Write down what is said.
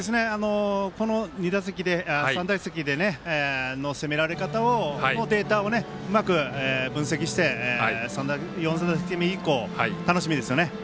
この３打席の攻められ方のデータをうまく分析して４打席目以降楽しみですよね。